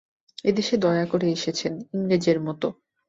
এ দেশে দয়া করে এসেছেন, ইংরেজের মত।